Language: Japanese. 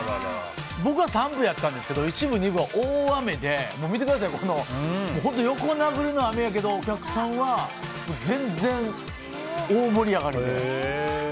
僕は３部やったんですけど１部、２部は大雨で本当に横殴りの雨やけどお客さんは全然大盛り上がりで。